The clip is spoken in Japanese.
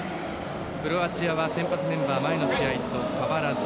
クロアチアは選抜メンバー、前の試合と変わらず。